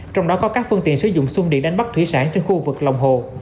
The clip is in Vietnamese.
trong đó có các phương tiện sử dụng sung điện đánh bắt thủy sản trên khu vực lòng hồ